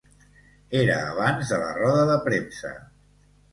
Era abans de la roda de premsa.